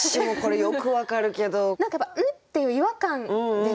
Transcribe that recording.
何かやっぱ「ん？」っていう違和感ですよね。